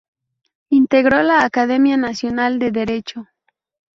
Integró la Academia Nacional de Derecho.